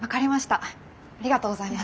ありがとうございます。